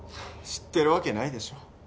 知ってるわけないでしょ